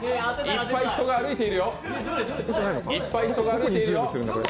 いっぱい人が歩いているよ。